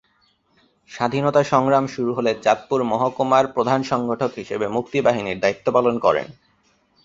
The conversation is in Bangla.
স্বাধীনতা সংগ্রাম শুরু হলে চাঁদপুর মহকুমার প্রধান সংগঠক হিসেবে মুক্তিবাহিনীর দায়িত্ব পালন করেন।